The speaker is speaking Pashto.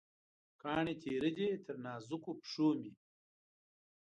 کاڼې تېره دي، تر نازکو پښومې